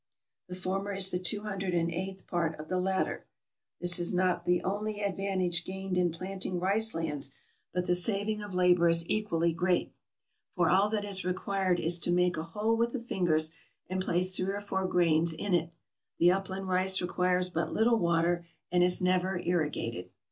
The former is the two hundred and eighth part of the latter. This is not the only MISCELLANEOUS 401 advantage gained in planting rice lands, but the saving of labor is equally great ; for all that is required is to make a hole with the fingers and place three or four grains in it. The upland rice requires but little water, and is never irrigated.